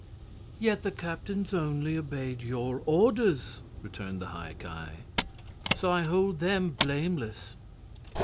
"Yet the captains only obeyed your orders," returned the High Ki. "So I hold them blameless."